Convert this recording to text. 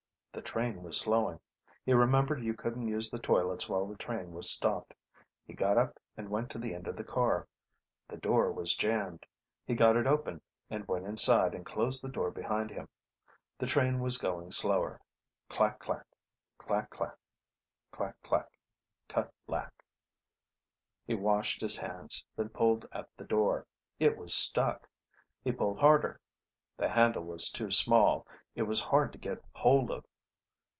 The train was slowing. He remembered you couldn't use the toilets while the train was stopped. He got up and went to the end of the car. The door was jammed. He got it open and went inside and closed the door behind him. The train was going slower, clack clack ... clack clack ... clack; clack ... cuh lack ... He washed his hands, then pulled at the door. It was stuck. He pulled harder. The handle was too small; it was hard to get hold of.